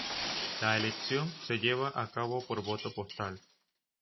La elección se lleva a cabo por voto postal.